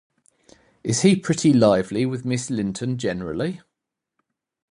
Is he pretty lively with Miss Linton generally?